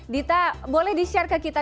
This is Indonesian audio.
dita boleh di share ke kita